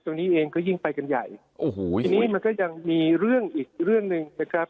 นี้เองก็ยิ่งไปกันใหญ่โอ้โหทีนี้มันก็ยังมีเรื่องอีกเรื่องหนึ่งนะครับ